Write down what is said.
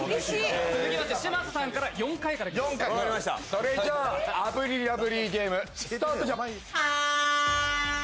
それじゃあ炙りラブリーゲーム、スタート。